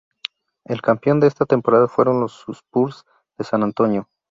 El campeón de esa temporada fueron los Spurs de San Antonio.